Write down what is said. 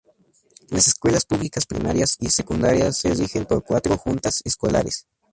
Las escuelas públicas primarias y secundarias se rigen por cuatro juntas escolares.